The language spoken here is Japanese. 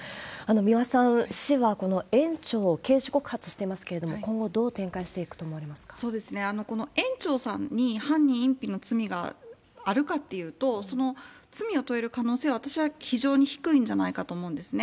三輪さん、市はこの園長を刑事告発していますけれども、今後、どう展開してこの園長さんに犯人隠避の罪があるかっていうと、罪を問える可能性は、私は非常に低いんじゃないかと思うんですね。